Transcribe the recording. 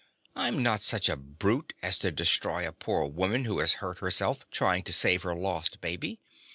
"I'm not such a brute as to destroy a poor woman who has hurt herself trying to save her lost baby.